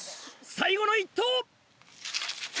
最後の１投！